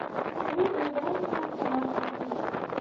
Шул уйҙар менән намаҙ уҡыны.